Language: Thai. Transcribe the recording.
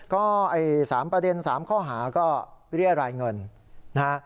ก็๓ประเด็น๓ข้อหาก็เรียรายเงินนะฮะ